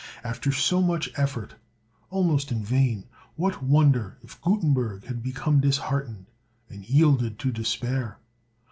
After so much effort almost in vain, what wonder if Gutenberg had become disheartened, and yielded to despair!